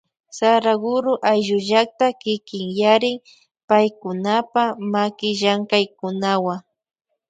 Saraguro ayllu llakta kikinyarin paypakunapa makillamkaykunawa.